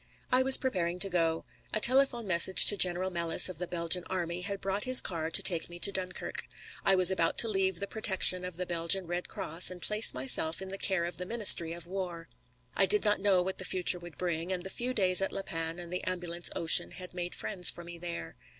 I was preparing to go. A telephone message to General Melis, of the Belgian Army, had brought his car to take me to Dunkirk. I was about to leave the protection of the Belgian Red Cross and place myself in the care of the ministry of war. I did not know what the future would bring, and the few days at La Panne and the Ambulance Ocean had made friends for me there.